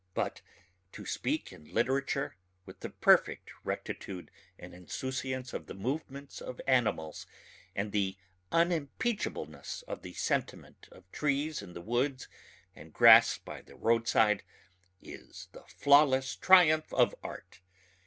But to speak in literature with the perfect rectitude and insouciance of the movements of animals and the unimpeachableness of the sentiment of trees in the woods and grass by the roadside is the flawless triumph of art.